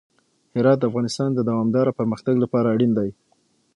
هرات د افغانستان د دوامداره پرمختګ لپاره اړین دی.